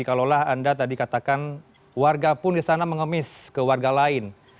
kalaulah anda tadi katakan warga pun di sana mengemis ke warga lain